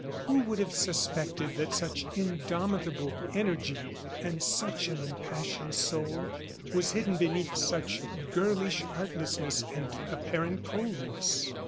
Who would have suspected that such indomitable energy and such an impassioned soul was hidden beneath such girlish artlessness and apparent coldness?